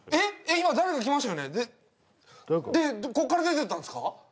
今誰か来ましたよねでこっから出てったんすか？